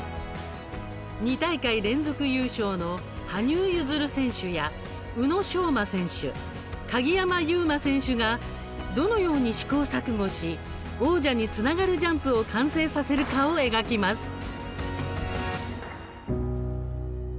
２大会連続優勝の羽生結弦選手や宇野昌磨選手、鍵山優真選手がどのように試行錯誤し王者につながるジャンプを完成させるかを描きます。